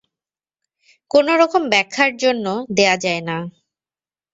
কোনো রকম ব্যাখ্যা এর জন্যে দেয়া যায় না।